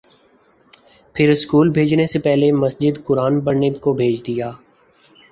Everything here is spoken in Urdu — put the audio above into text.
پھر اسکول میں بھیجنے سے پہلے مسجد قرآن پڑھنے کو بھیج دیا